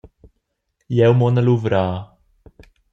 Jeu mon a luvrar.